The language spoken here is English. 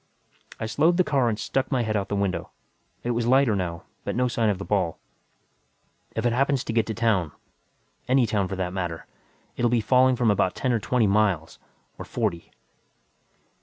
I slowed the car and stuck my head out the window. It was lighter now, but no sign of the ball. "If it happens to get to town any town, for that matter it'll be falling from about ten or twenty miles. Or forty."